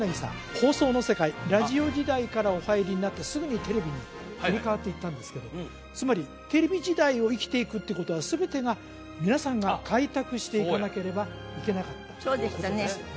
放送の世界ラジオ時代からお入りになってすぐにテレビに切り替わっていったんですけどつまりテレビ時代を生きていくってことは全てが皆さんが開拓していかなければいけなかったそうでしたね